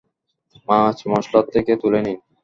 মাছ মসলা থেকে তুলে নিন।